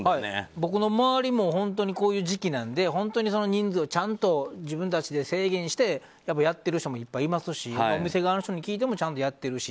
僕の周りもこういう時期なので本当に人数を自分たちで制限してやっている人もいるしお店側に聞いてもちゃんとやっているし。